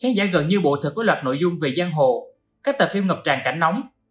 khán giả gần như bộ thực có loạt nội dung về giang hồ các tài phim ngập tràn cảnh nóng